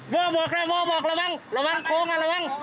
โบบอกระวังโบบอกระวัง